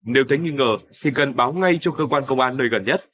nếu thấy nghi ngờ thì cần báo ngay cho cơ quan công an nơi gần nhất